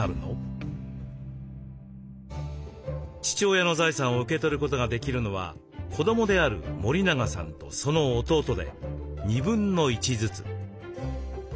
父親の財産を受け取ることができるのは子どもである森永さんとその弟で1/2ずつ。